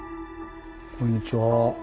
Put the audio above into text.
こんにちは。